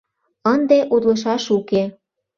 Ынде утлышаш уке.